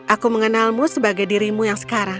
aku mengenalmu sebagai dirimu yang sekarang